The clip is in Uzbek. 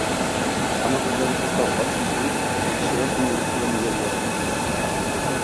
Ammo ko`zlarni katta ochib yurib, kishilar ko`ngilini ko`rolmaganda